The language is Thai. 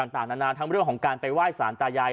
ต่างนานาทั้งเรื่องของการไปไหว้สารตายาย